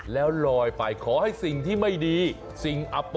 แล้วรอยไปขอให้สิ่งที่ไม่ดี